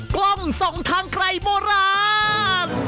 กล้องส่องทางใครโบราณ